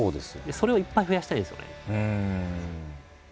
それをいっぱい増やしたいんですよね。